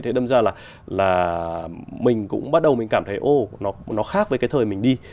thế đâm ra là mình cũng bắt đầu mình cảm thấy ồ nó khác với cái thời mình đi